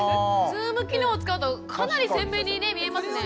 ズーム機能を使うとかなり鮮明に見えますね。